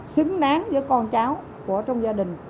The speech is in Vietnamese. xứng đáng với con cháu của trong gia đình